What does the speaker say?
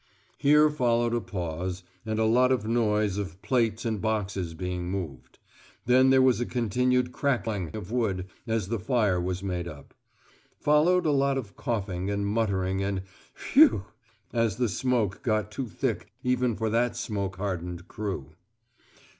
Here followed a pause, and a lot of noise of plates and boxes being moved. Then there was a continued crackling of wood, as the fire was made up. Followed a lot of coughing, and muttering, and "Phew!" as the smoke got too thick even for that smoke hardened crew.